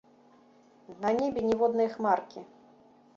На небе ніводнай хмаркі.